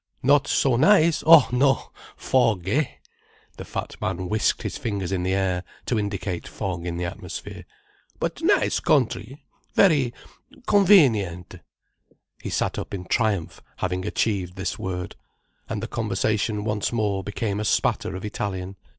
"Not so nice? Oh? No! Fog, eh!" The fat man whisked his fingers in the air, to indicate fog in the atmosphere. "But nice contry! Very—convenient." He sat up in triumph, having achieved this word. And the conversation once more became a spatter of Italian.